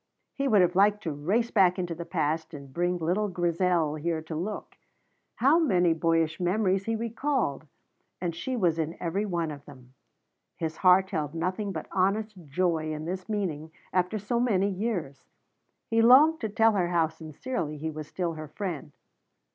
He would have liked to race back into the past and bring little Grizel here to look. How many boyish memories he recalled! and she was in every one of them. His heart held nothing but honest joy in this meeting after so many years; he longed to tell her how sincerely he was still her friend.